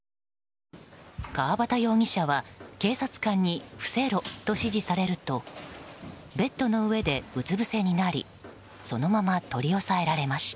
川端容疑者は警察官に伏せろと指示されるとベッドの上でうつぶせになりそのまま取り押さえられました。